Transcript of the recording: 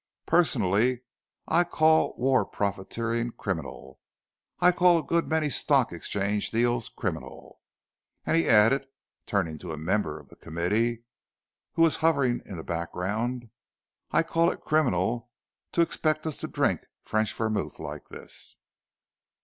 "Personally, I call war profiteering criminal, I call a good many Stock Exchange deals criminal, and," he added, turning to a member of the committee who was hovering in the background, "I call it criminal to expect us to drink French vermouth like this."